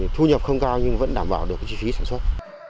thu nhập không cao nhưng vẫn đảm bảo được chi phí sản xuất